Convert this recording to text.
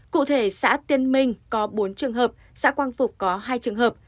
cụ thể xã tiên minh có bốn trường hợp xã quang phục có hai trường hợp